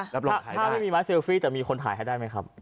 ถ้าไม่มีไม้เซลฟี่แต่มีคนถ่ายให้ได้มั้ยครับ